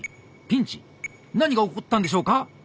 ピンチ？何が起こったんでしょうか？